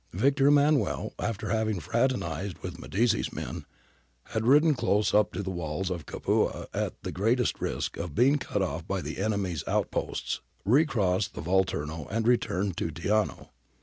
^ Victor Emmanuel, after having frate' nised with Medici's men, and ridden close up to the walls of Capua at the greatest risk of being cut off by the enemy's out posts, recrossed the Volturno and returned to Teano.